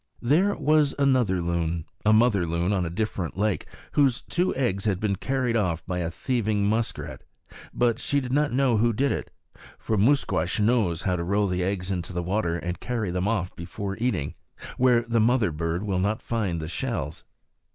There was another loon, a mother bird, on a different lake, whose two eggs had been carried off by a thieving muskrat; but she did not know who did it, for Musquash knows how to roll the eggs into water and carry them off, before eating, where the mother bird will not find the shells.